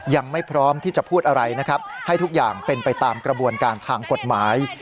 ยังไม่พร้อมที่จะพูดอะไรนะครับให้ทุกอย่างเป็นไปตามกระบวนการทางกฎหมาย